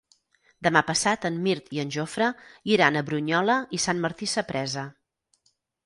Demà passat en Mirt i en Jofre iran a Brunyola i Sant Martí Sapresa.